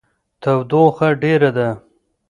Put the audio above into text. تودوخه ډیره ده